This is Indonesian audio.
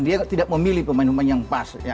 dia tidak memilih pemain pemain yang pas